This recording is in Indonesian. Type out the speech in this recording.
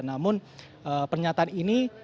namun pernyataan ini